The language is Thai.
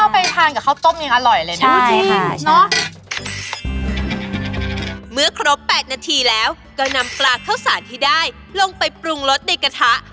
เมื่อครบ๘นาทีแล้วก็นำปลาเข้าสารที่ได้ลงไปปรุงรสในกระทะ